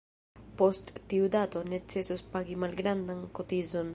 Post tiu dato, necesos pagi malgrandan kotizon.